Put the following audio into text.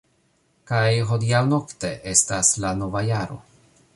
- Kaj hodiaŭ-nokte estas la nova jaro!